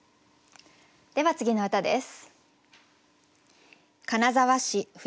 では次の歌です。